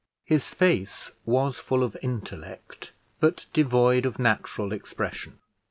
His face was full of intellect, but devoid of natural expression.